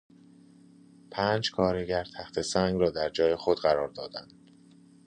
پنج کارگر تخته سنگ را در جای خود قرار دادند.